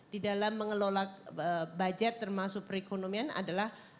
di dalam mengelola budget termasuk perekonomian adalah